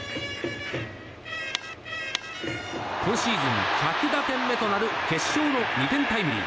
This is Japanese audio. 今シーズン１００打点目となる決勝の２点タイムリー。